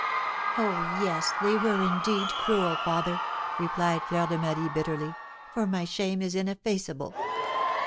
"Oh, yes, they were indeed cruel, father," replied Fleur de Marie, bitterly, "for my shame is ineffaceable.